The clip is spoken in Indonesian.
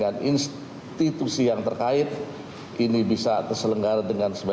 dan tentu juga saya sampaikan kami terima kasih langkah langkah yang dilakukan oleh pemerintah